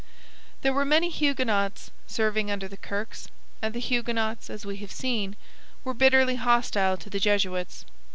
There were many Huguenots serving under the Kirkes, and the Huguenots, as we have seen, were bitterly hostile to the Jesuits.